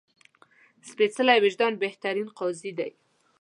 سپېڅلی وجدان بهترین قاضي ده